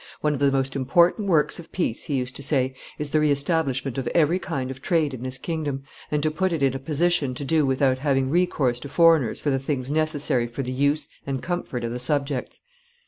"One of the most important works of peace," he used to say, "is the re establishment of every kind of trade in this kingdom, and to put it in a position to do without having recourse to foreigners for the things necessary for the use and comfort of the subjects."